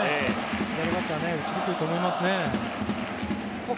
左バッターは打ちにくいと思いますね。